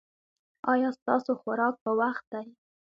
ایا ستاسو خوراک په وخت دی؟